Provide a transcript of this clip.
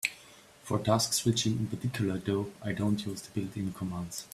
For task switching in particular, though, I don't use the built-in commands.